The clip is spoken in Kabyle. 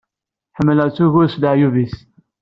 Ḥemmleɣ-t ugar s leɛyub-is.